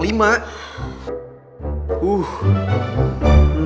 kayak masakan restoran bintang lima